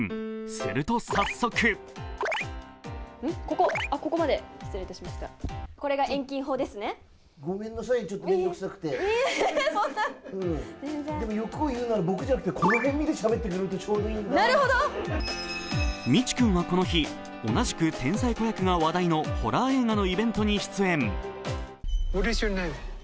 すると早速みち君はこの日、同じく天才子役が話題のホラー映画のイベントに出演。